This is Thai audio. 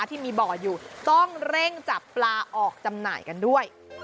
ที่มีบ่ออยู่ต้องเร่งจับปลาออกจำหน่ายกันด้วย